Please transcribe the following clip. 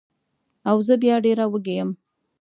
او زه بیا ډېره وږې یم